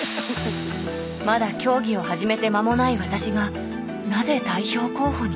まだ競技を始めて間もない私がなぜ代表候補に？